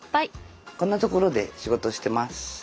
こんなところで仕事してます。